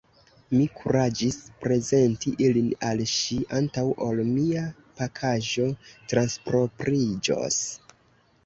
Mi kuraĝis prezenti ilin al ŝi, antaŭ ol mia pakaĵo transpropriĝos.